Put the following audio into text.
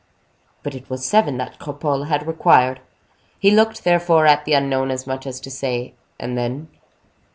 But it was seven that Cropole had required. He looked, therefore, at the unknown, as much as to say, "And then?"